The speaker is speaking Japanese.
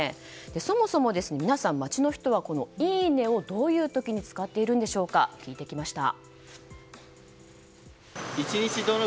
そもそも皆さん街の人はいいねをどういう時に使っているんでしょうか聞いてきました。